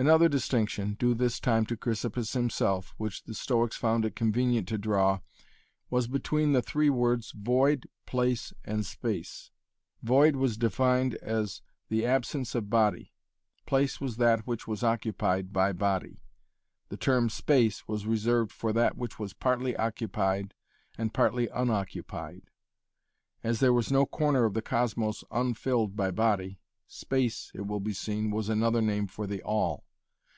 Another distinction, due this time to Chrysippus himself, which the Stoics found it convenient to draw, was between the three words 'void,' 'place' and 'space'. Void was defined as 'the absence of body', place was that which was occupied by body, the term 'space' was reserved for that which was partly occupied and partly unoccupied. As there was no corner of the cosmos unfilled by body, space, it will be seen, was another name for the All.